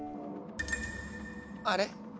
あれ？